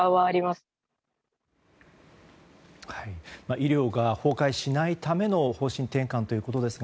医療が崩壊しないための方針転換ということですが